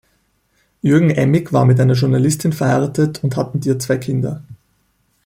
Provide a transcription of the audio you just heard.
Jürgen Emig war mit einer Journalistin verheiratet und hat mit ihr zwei Kinder.